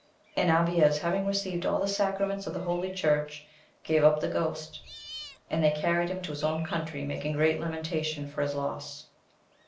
And Abies, having received all the sacraments of the holy church, gave up the ghost ; and they carried him to his own country, making great lamenta tion for his loss.